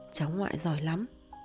cháu ngoại giỏi lắm